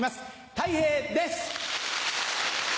たい平です！